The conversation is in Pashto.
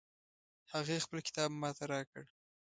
هغې خپل کتاب ما ته راکړ